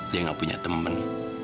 dia nggak punya temen